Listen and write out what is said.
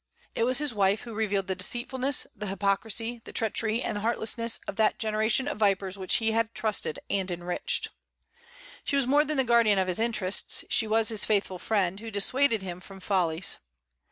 It was his wife who revealed the deceitfulness, the hypocrisy, the treachery, and the heartlessness of that generation of vipers which he had trusted and enriched. She was more than the guardian of his interests; she was his faithful friend, who dissuaded him from follies.